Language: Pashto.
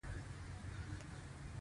چار مغز د افغانستان د زرغونتیا نښه ده.